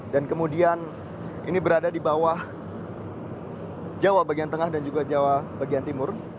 dan kemudian ini berada di bawah jawa bagian tengah dan juga jawa bagian timur